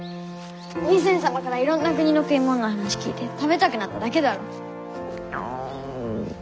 義仙様からいろんな国の食い物の話聞いて食べたくなっただけだろう？